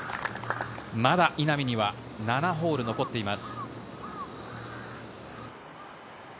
まだ稲見には７ホール残っています。